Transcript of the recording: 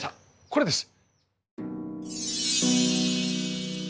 これです！